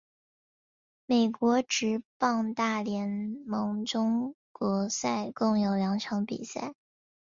美国职棒大联盟中国赛共有两场比赛。